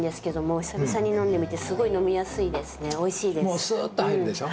もうスーッと入るでしょ。